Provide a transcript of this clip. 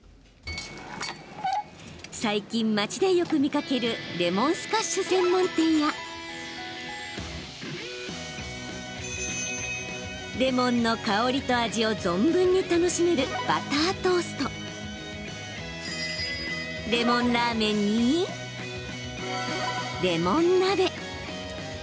最近、街でよく見かけるレモンスカッシュ専門店やレモンの香りと味を存分に楽しめるバタートーストレモンラーメンにレモン鍋。